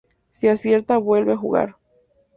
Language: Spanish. Si acierta vuelve a jugar.